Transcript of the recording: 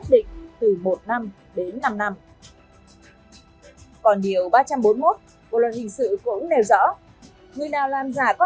đến đến bảy năm